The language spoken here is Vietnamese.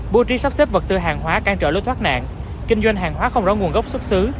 bố trí sắp xếp vật tư hàng hóa cản trở lối thoát nạn kinh doanh hàng hóa không rõ nguồn gốc xuất xứ